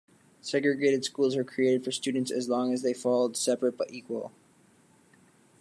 Segregated schools were created for students, as long as they followed "separate but equal".